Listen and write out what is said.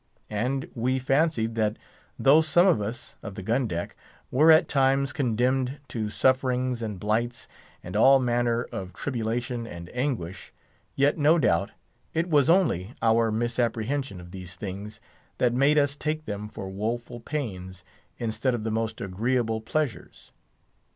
And we fancied that though some of us, of the gun deck, were at times condemned to sufferings and blights, and all manner of tribulation and anguish, yet, no doubt, it was only our misapprehension of these things that made us take them for woeful pains instead of the most agreeable pleasures.